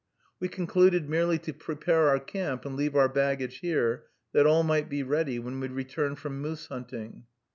We concluded merely to prepare our camp, and leave our baggage here, that all might be ready when we returned from moose hunting.